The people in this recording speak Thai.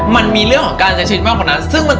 มันมีเรื่องของการใช้ชีวิตมากกว่านั้น